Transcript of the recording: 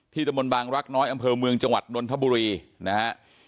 ตะมนต์บางรักน้อยอำเภอเมืองจังหวัดนนทบุรีนะฮะ